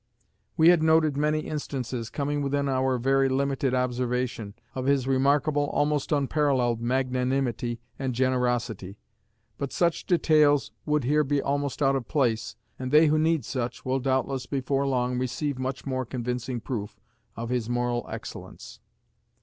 We had noted many instances, coming within our own very limited observation, of his remarkable, almost unparalleled magnanimity and generosity; but such details would here be almost out of place, and they who need such will doubtless before long receive much more convincing proof of his moral excellence.